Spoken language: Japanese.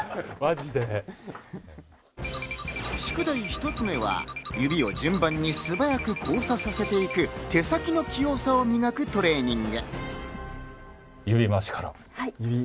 宿題１つ目は指を順番に素早く交差させていく、手先の器用さを磨くトレーニング。